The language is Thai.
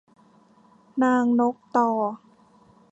นางนกต่อ